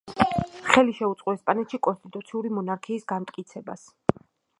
ხელი შეუწყო ესპანეთში კონსტიტუციური მონარქიის განმტკიცებას.